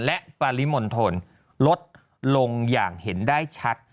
และปริมณฑลลดลงอย่างเห็นได้ชัด